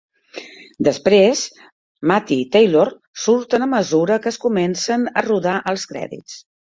Després, Matty i Taylor surten a mesura que es comencen a rodar els crèdits.